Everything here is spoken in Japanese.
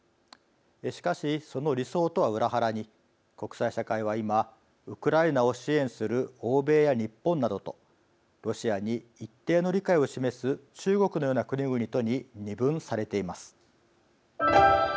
しかし、その理想とは裏腹に国際社会は今ウクライナを支援する欧米や日本などとロシアに一定の理解を示す中国のような国々とに二分されています。